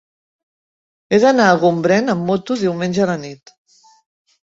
He d'anar a Gombrèn amb moto diumenge a la nit.